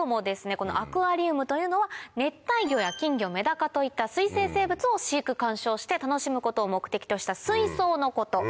このアクアリウムというのは熱帯魚や金魚メダカといった水生生物を飼育観賞して楽しむことを目的とした水槽のこと。